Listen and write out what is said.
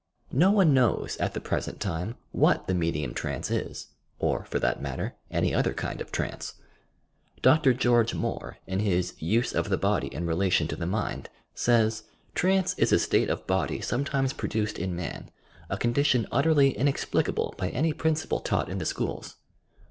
No one knows, at the present time, what the medium trance is, or for that matter, any other kind of trance ! Dr. George Moore, in his "Use of the Body in Relation to the Mind" says: '' Trance is a state of body sometimes produced in man — a condition utterly inexplicable by any principle taught in the schools."